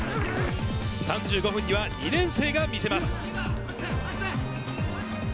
３５分には２年生が見せます。